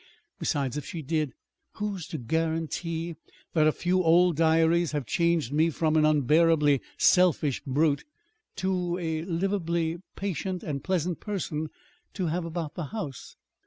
Besides, if she did, who's to guarantee that a few old diaries have changed me from an unbearably selfish brute to a livably patient and pleasant person to have about the house?